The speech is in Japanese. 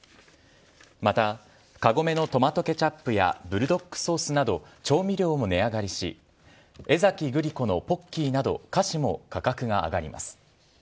また、カゴメのトマトケチャップやブルドックソースなど、調味料も値上がりし、江崎グリコのポッキーなど菓子も価格が上がります。